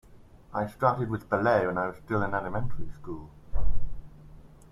I started with ballet when I was still in elementary school.